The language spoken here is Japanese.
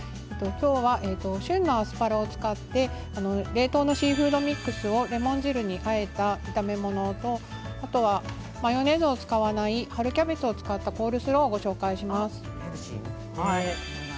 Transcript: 今日は旬のアスパラを使って冷凍のシーフードミックスレモン汁であえた炒め物とマヨネーズを使わないで春キャベツを使ったコールスローをご紹介します。